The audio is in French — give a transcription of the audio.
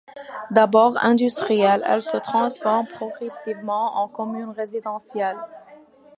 D’abord industrielle, elle se transforme progressivement en commune résidentielle.